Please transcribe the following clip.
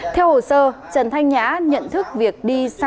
theo hồ sơ trần thanh nhã nhận thức việc đi sang các nhà tài liệu